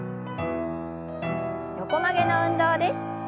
横曲げの運動です。